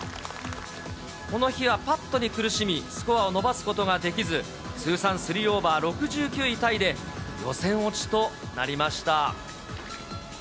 この日はパットに苦しみ、スコアを伸ばすことができず、通算３オーバー６９位タイで予選落ちとなりました。